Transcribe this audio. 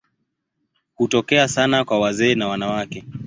Hutokea sana kwa wazee na wanawake.